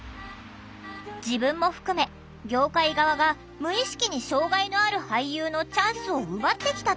自分も含め業界側が無意識に障害のある俳優のチャンスを奪ってきたという深田さん。